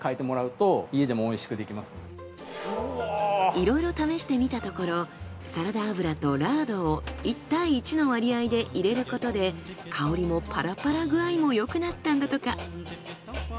いろいろ試してみたところサラダ油とラードを１対１の割合で入れることで香りもパラパラ具合もよくなったんだとか。